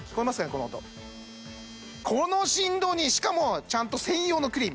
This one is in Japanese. この音この振動にしかもちゃんと専用のクリーム